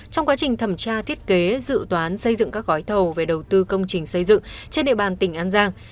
trong quá trình thẩm tra thiết kế dự toán xây dựng các gói thầu về đầu tư công trình xây dựng trên địa bàn tỉnh an giang